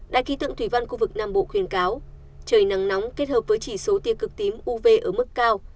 đại ký tượng thủy văn khu vực nam bộ khuyên cáo trời nắng nóng kết hợp với chỉ số tiêu cực tím uv ở mức cao